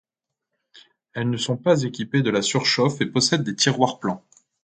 Elles ne sont pas équipées de la surchauffe et possèdent des tiroirs plans.